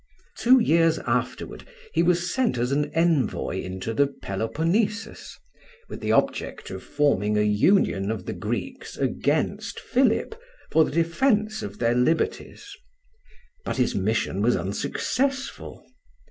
Two years afterward he was sent as an envoy into the Peloponnesus, with the object of forming a union of the Greeks against Philip for the defense of their liberties. But his mission was unsuccessful.